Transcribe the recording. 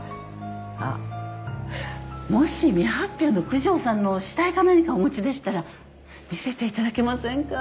あっもし未発表の九条さんの下絵か何かお持ちでしたら見せていただけませんか？